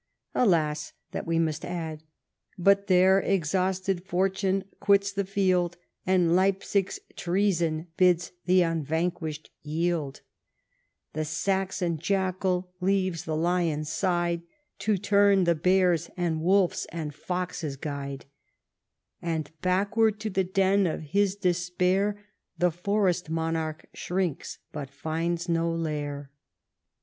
Alas ! that we must add :" But there exhausted Fortune quits the field, And Leipsig's treason bids the unvanquished yield; The Saxon jackal leaves the lion's side To turn the bear's, and wolf's, and fox's guide ; And baclvward to tlie den of his despair The forest monarch shrinks, but finds no lair."